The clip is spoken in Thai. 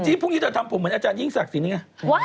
จริงพรุ่งนี้เธอทำผมเหมือนอาจารย์ยิ่งศักดิ์สินะ